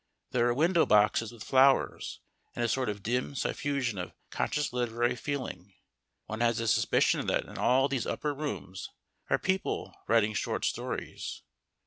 There are window boxes with flowers, and a sort of dim suffusion of conscious literary feeling. One has a suspicion that in all those upper rooms are people writing short stories.